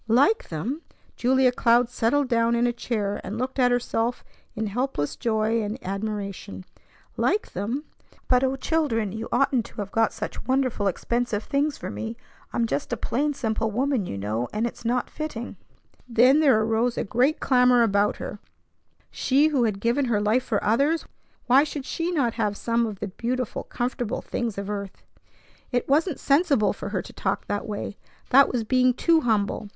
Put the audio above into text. "Like them!" Julia Cloud settled down in a chair, and looked at herself in helpless joy and admiration. Like them! "But O children! You oughtn't to have got such wonderful, expensive things for me. I'm just a plain, simple woman, you know, and it's not fitting." Then there arose a great clamor about her. Why was it not fitting? She who had given her life for others, why should she not have some of the beautiful, comfortable things of earth? It wasn't sensible for her to talk that way. That was being too humble.